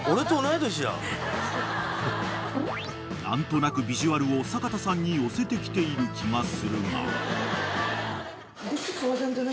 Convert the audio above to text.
［何となくビジュアルを阪田さんに寄せてきている気がするが］